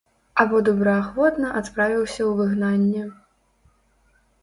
Або добраахвотна адправіўся ў выгнанне.